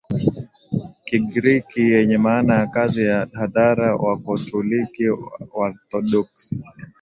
Kigiriki yenye maana ya kazi ya hadhara Wakatoliki Waorthodoksi